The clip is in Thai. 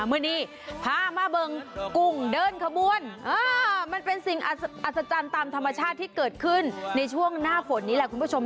เมื่อนี้พามาเบิงกุ้งเดินขบวนมันเป็นสิ่งอัศจรรย์ตามธรรมชาติที่เกิดขึ้นในช่วงหน้าฝนนี่แหละคุณผู้ชม